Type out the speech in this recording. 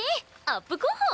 アップ候補！